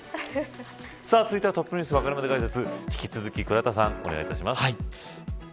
続いてはＴｏｐｎｅｗｓわかるまで解説引き続き倉田さん、お願いします。